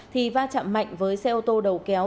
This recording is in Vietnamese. thì va chạm mạnh với xe ô tô đầu kéo